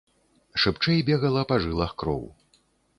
Шыбчэй бегала па жылах кроў.